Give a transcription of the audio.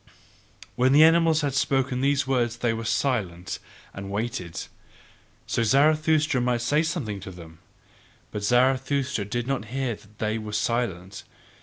'" When the animals had spoken these words they were silent and waited, so that Zarathustra might say something to them: but Zarathustra did not hear that they were silent.